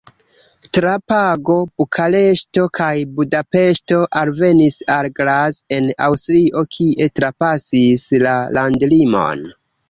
Tra Prago, Bukareŝto kaj Budapeŝto alvenis al Graz en Aŭstrio, kie trapasis la landlimon.